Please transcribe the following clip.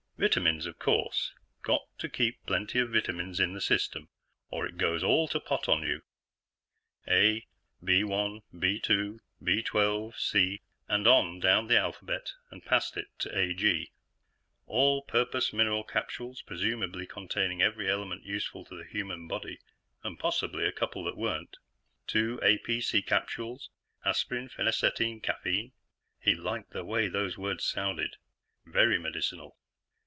Vitamins, of course; got to keep plenty of vitamins in the system, or it goes all to pot on you. A, B_1, B_2, B_12, C, ... and on down the alphabet and past it to A G. All purpose mineral capsules, presumably containing every element useful to the human body and possibly a couple that weren't. Two APC capsules. (Aspirin Phenacetin Caffeine. He liked the way those words sounded; very medicinal.)